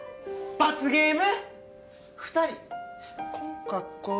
罰ゲーム！